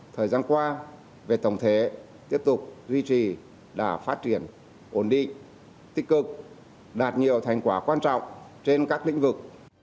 thời gian qua về tổng thể tiếp tục duy trì đã phát triển ổn định tích cực đạt nhiều thành quả quan trọng trên các lĩnh vực